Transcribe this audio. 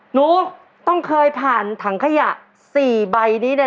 หนูต้องเคยผ่านถังขยะ๔ใบนี้แน่